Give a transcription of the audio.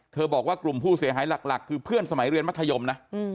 บอกว่ากลุ่มผู้เสียหายหลักคือเพื่อนสมัยเรียนมัธยมนะ